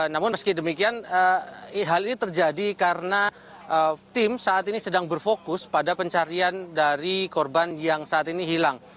namun meski demikian hal ini terjadi karena tim saat ini sedang berfokus pada pencarian dari korban yang saat ini hilang